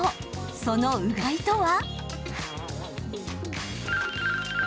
その、うがいとは？